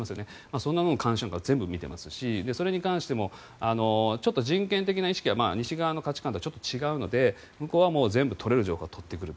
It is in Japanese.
そんなものは全部見ていますしそれに関しても人権的な意識が西側の価値観とはちょっと違うので向こうは全部取れる情報は取ってくると。